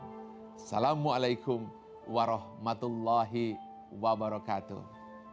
assalamualaikum warahmatullahi wabarakatuh